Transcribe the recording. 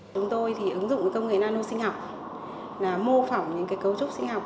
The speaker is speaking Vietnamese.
chúng tôi ứng dụng công nghệ nano sinh học là mô phỏng những cấu trúc sinh học